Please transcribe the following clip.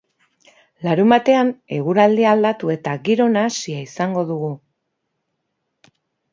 Larunbatean, eguraldia aldatu eta giro nahasia izango dugu.